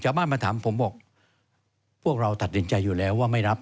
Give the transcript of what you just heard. มาถามผมบอกพวกเราตัดสินใจอยู่แล้วว่าไม่รับ